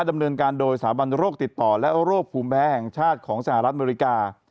ดำเนินการโดยสถาบันโรคติดต่อและโรคภูมิแพ้แห่งชาติของสหรัฐอเมริกา